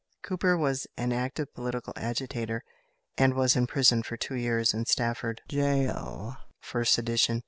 Cooper was an active political agitator, and was imprisoned for two years in Stafford gaol for sedition.